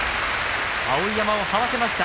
碧山をかわしました。